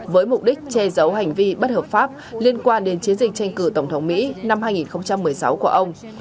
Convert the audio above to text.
với mục đích che giấu hành vi bất hợp pháp liên quan đến chiến dịch tranh cử tổng thống mỹ năm hai nghìn một mươi sáu của ông